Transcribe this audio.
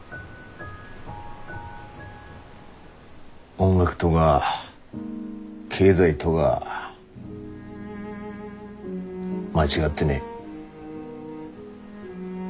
音楽とが経済とが間違ってねえ。